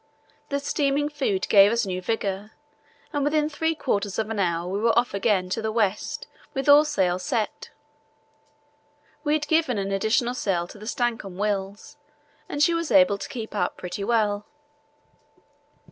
The steaming food gave us new vigour, and within three quarters of an hour we were off again to the west with all sails set. We had given an additional sail to the Stancomb Wills and she was able to keep up pretty well.